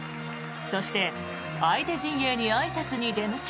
そして、相手陣営にあいさつに出向き